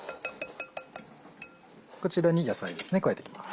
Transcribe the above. こちらに野菜ですね加えていきます